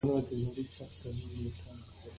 واوره د افغانستان د ملي هویت یوه نښه ده.